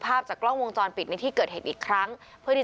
ภาพจากกล้องวงจรปิดในที่เกิดเหตุอีกครั้งเพื่อที่